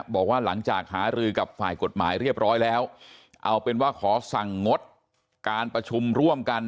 บอกว่าหลังจากหารือกับฝ่ายกฎหมายเรียบร้อยแล้วเอาเป็นว่าขอสั่งงดการประชุมร่วมกัน